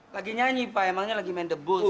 lagi nyanyi pak emangnya lagi main debut